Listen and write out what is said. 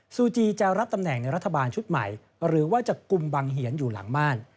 ซูจีจะรับตำแหน่งในรัฐบาลชุดใหม่หรือว่าจะกุมบังเหียนอยู่หลังม่าน